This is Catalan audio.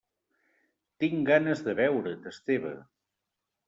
Tinc ganes de veure't, Esteve.